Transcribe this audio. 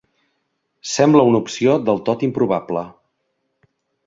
Sembla una opció del tot improbable.